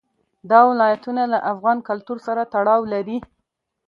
دا ولایتونه له افغان کلتور سره تړاو لري.